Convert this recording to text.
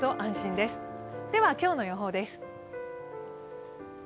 では、今日の予報です。